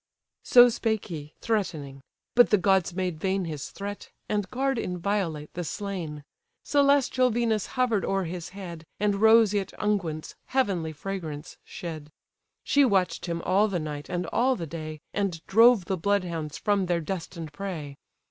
So spake he, threatening: but the gods made vain His threat, and guard inviolate the slain: Celestial Venus hover'd o'er his head, And roseate unguents, heavenly fragrance! shed: She watch'd him all the night and all the day, And drove the bloodhounds from their destined prey.